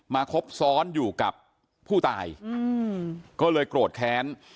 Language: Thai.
คบซ้อนอยู่กับผู้ตายก็เลยโกรธแค้น